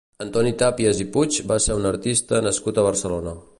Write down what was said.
Antoni Tàpies i Puig va ser un artista nascut a Barcelona.